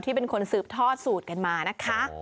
เป็นคนสืบทอดสูตรกันมานะคะ